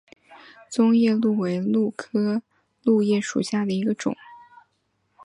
棕夜鹭为鹭科夜鹭属下的一个种。